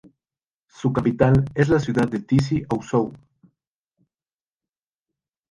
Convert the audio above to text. Su capital es la ciudad de Tizi Ouzou.